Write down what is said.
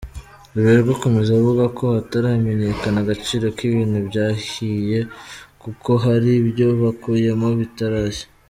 Ruberwa akomeza avuga ko hataramenyekana agaciro k’ibintu byahiye kuko hari ibyo bakuyemo bitarashya.